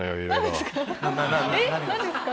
何ですか？